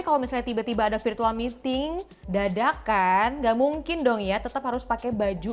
kalau misalnya tiba tiba ada virtual meeting dadakan nggak mungkin dong ya tetap harus pakai baju